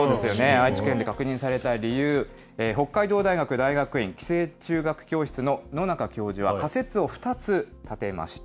愛知県で確認された理由、北海道大学大学院寄生虫学教室の野中教授は仮説を２つ立てました。